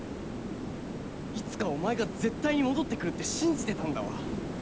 いつかお前が絶対に戻ってくるって信じてたんだわ。